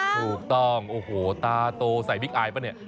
ถูกต้องโอ้โหตาโตใส่บิ๊กอายป่ะเนี่ย